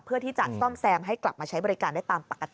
เพื่อที่จะซ่อมแซมให้กลับมาใช้บริการได้ตามปกติ